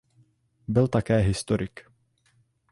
Byl také historik.